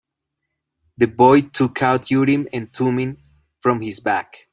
The boy took out Urim and Thummim from his bag.